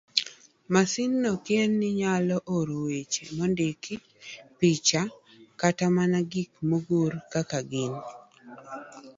Masindno kien nyalo oro weche mondiki, piche, kata mana gik mogor kaka gin.